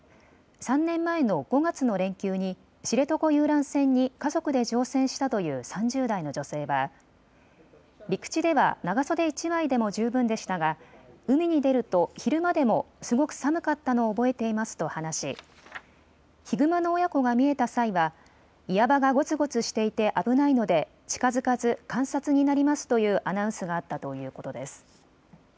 ３年前の５月の連休に知床遊覧船に家族で乗船したという３０代の女性は陸地では長袖１枚でも十分でしたが海に出ると昼間でもすごく寒かったのを覚えていますと話しヒグマの親子が見えた際は岩場がごつごつしていて危ないので近づかず観察になりますというアナウンスがあったということです。